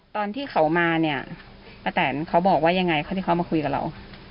ตอนที่เขามาเนี่ยป้าแตนเขาบอกว่ายังไงเขาที่เขามาคุยกับเรา